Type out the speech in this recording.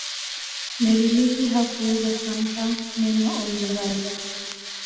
Mary leakey hakuweza kutamka neno olduvai